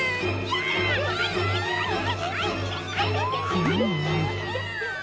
フーム。